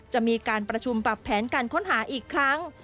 จะมีการประชุมปรับแผนการค้นหาอีกครั้ง